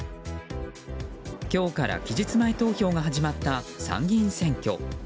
今日から期日前投票が始まった参議院選挙。